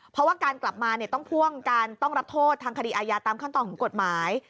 เพราะว่าการกลับมาเนี่ยต้องพ่วงการต้องรับโทษทางคดีอาญาตามขั้นตอนของกฎหมาย